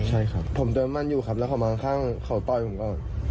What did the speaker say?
ใช่ครับผมเดินมั่นอยู่ครับแล้วเขามาข้างเขาต่อยผมก่อน